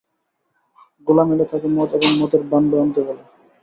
গোলাম এলে তাকে মদ এবং মদের ভাণ্ড আনতে বলে।